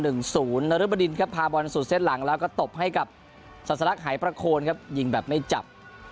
นรบดินครับพาบอลสู่เส้นหลังแล้วก็ตบให้กับศาสลักหายประโคนครับยิงแบบไม่จับ